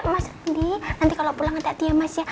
mas andi nanti kalau pulang ngedati ya mas ya